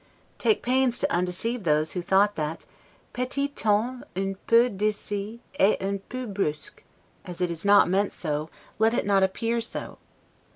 Take pains to undeceive those who thought that 'petit ton un peu delcide et un peu brusque'; as it is not meant so, let it not appear so.